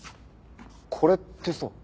これってさ。